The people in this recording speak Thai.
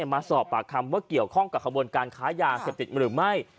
มาสอบปากคำว่าเกี่ยวข้องกับขบวนการค้ายาเสพติดหรือไม่